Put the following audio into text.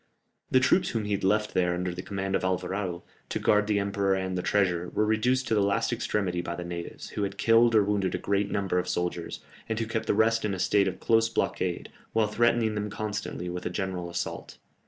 The troops whom he had left there under the command of Alvarado, to guard the emperor and the treasure, were reduced to the last extremity by the natives, who had killed or wounded a great number of soldiers, and who kept the rest in a state of close blockade, while threatening them constantly with a general assault.